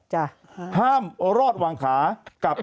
ห้ามรอดวางขากับ